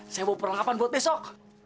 saya bawa perlengkapan buat besok